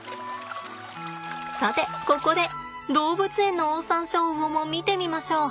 さてここで動物園のオオサンショウウオも見てみましょう。